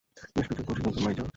বেশ বিচক্ষণ, সিদ্ধান্ত, মাই জার!